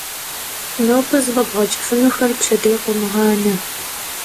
Nobe zef'ebğeç'ıfın 'uexur pşedêym khomığane.